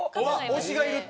推しがいるって。